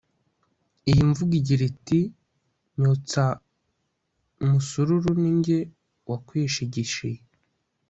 iyi mvugo igira iti, nyotsa musururu ninjye wakwishigishiye»